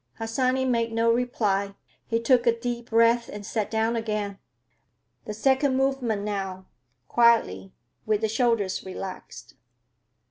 Harsanyi made no reply. He took a deep breath and sat down again. "The second movement now, quietly, with the shoulders relaxed."